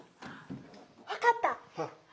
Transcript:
分かった。